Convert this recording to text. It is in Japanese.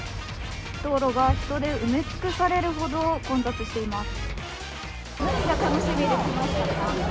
道路が人で埋め尽くされるほど混雑しています。